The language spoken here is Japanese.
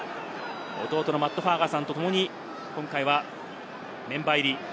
弟のマット・ファーガソンと共に今回はメンバー入り。